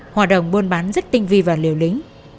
hoạt động buôn bán rất tinh vi và liều lĩnh